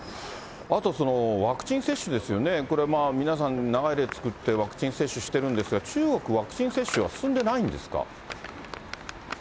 あとワクチン接種ですよね、これ、皆さん長い列を作って、ワクチン接種してるんですが、中国、ワクチン接種は進んでないんですか？